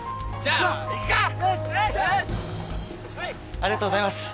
ありがとうございます。